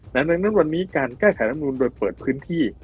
ดังนั้นวันนี้การแก้ไขรำนูนโดยเปิดพื้นที่